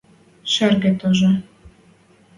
Шӹргӹ тоже...